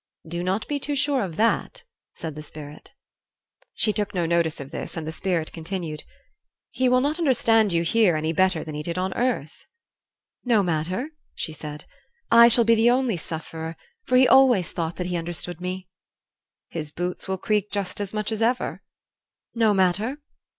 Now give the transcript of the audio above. "Do not be too sure of that," said the Spirit. She took no notice of this, and the Spirit continued: "He will not understand you here any better than he did on earth." "No matter," she said; "I shall be the only sufferer, for he always thought that he understood me." "His boots will creak just as much as ever " "No matter."